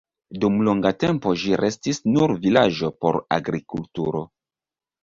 Dum longa tempo ĝi restis nur vilaĝo por agrikulturo.